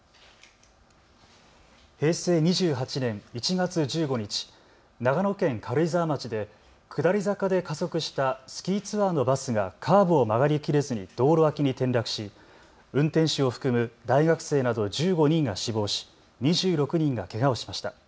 平成２８年１月１５日、長野県軽井沢町で下り坂で加速したスキーツアーのバスがカーブを曲がりきれずに道路脇に転落し運転手を含む大学生など１５人が死亡し２６人がけがをしました。